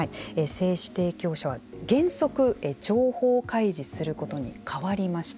精子提供者は原則情報開示することに変わりました。